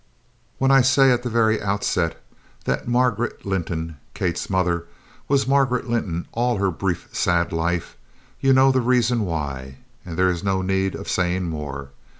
When I say at the very outset that Margaret Linton, Kate's mother, was Margaret Linton all her brief sad life, you know the reason why, and there is no need of saying more.